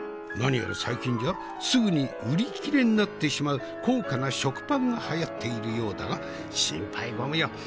何やら最近じゃすぐに売り切れになってしまう高価な食パンがはやっているようだが心配ご無用。